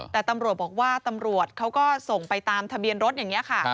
แต่ตำรวจบอกว่าตำรวจเขาก็ส่งไปตามทะเบียนรถอย่างนี้ค่ะ